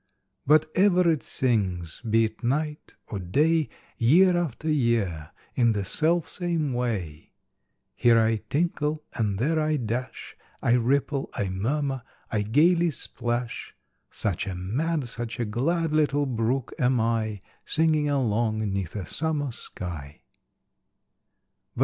But ever it sings, be it night or day, Year after year, in the selfsame way, "Here I tinkle, and there I dash, I ripple, I murmur, I gaily splash; Such a mad, such a glad little brook am I, Singing along 'neath a summer sky!"